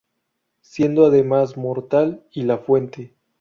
Siendo, además, mortal y La Fuente.